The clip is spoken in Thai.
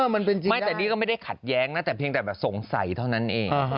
ไม่แต่นี่ก็ไม่ได้ขัดแย้งนะแต่เพียงแต่แบบสงสัยเท่านั้นเอง